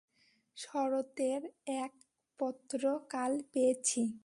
শরতের এক পত্র কাল পেয়েছি।